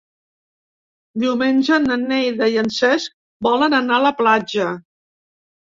Diumenge na Neida i en Cesc volen anar a la platja.